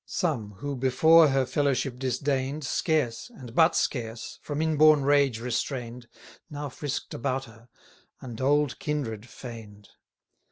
Some, who before her fellowship disdain'd, Scarce, and but scarce, from in born rage restrain'd, Now frisk'd about her, and old kindred feign'd.